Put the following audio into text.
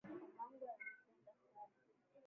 Mamangu ananipenda sana.